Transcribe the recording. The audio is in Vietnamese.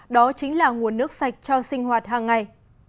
đó chính là nguồn nước sạch cho sinh hoạt hàng ngày